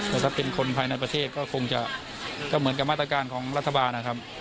แต่ถ้าเป็นคนภายในประเทศก็คงจะก็เหมือนกับมาตรการของรัฐบาลนะครับ